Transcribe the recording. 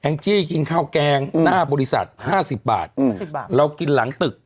แข็งจี้กินข้าวแกงอืมหน้าบริษัทห้าสิบบาทอืมห้าสิบบาทเรากินหลังตึก